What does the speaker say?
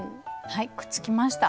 はいくっつきました。